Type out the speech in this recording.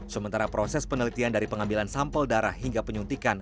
sementara proses penelitian dari pengambilan sampel darah hingga penyuntikan